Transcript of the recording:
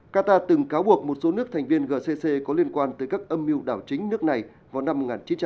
qatar từng cáo buộc một số nước thành viên gcc có liên quan tới các âm mưu đảo chính nước này vào năm một nghìn chín trăm bảy mươi